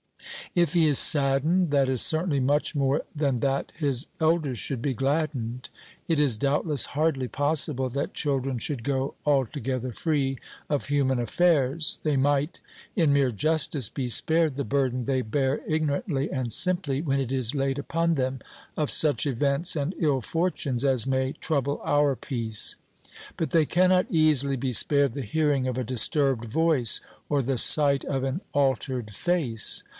If he is saddened, that is certainly much more than that his elders should be gladdened. It is doubtless hardly possible that children should go altogether free of human affairs. They might, in mere justice, be spared the burden they bear ignorantly and simply when it is laid upon them, of such events and ill fortunes as may trouble our peace; but they cannot easily be spared the hearing of a disturbed voice or the sight of an altered face.